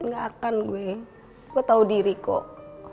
gak akan gue gue tau diri kok